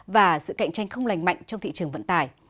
và sự cạnh tranh không lành mạnh trong thị trường vận tải